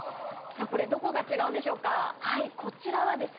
どこが違うんでしょうか。